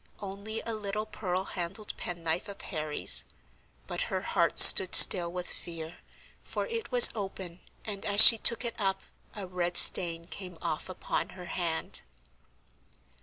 Only a little pearl handled penknife of Harry's; but her heart stood still with fear, for it was open, and, as she took it up, a red stain came off upon her hand.